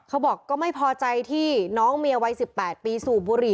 เขาบอกก็ไม่พอใจที่น้องเมียวัย๑๘ปีสูบบุหรี่